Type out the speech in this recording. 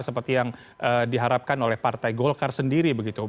seperti yang diharapkan oleh partai golkar sendiri begitu